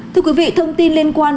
thưa quý vị thông tin liên quan